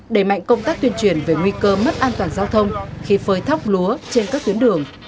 đẩy mạnh công tác tuyên truyền về nguy cơ mất an toàn giao thông khi phơi thóc lúa trên các tuyến đường